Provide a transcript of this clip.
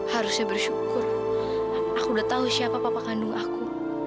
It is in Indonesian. harusnya bersyukur aku udah tahu siapa papa kandung aku